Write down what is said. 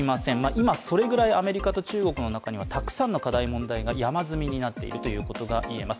今、それぐらいアメリカと中国の間にはたくさんの問題が山積みになっているということが言えます。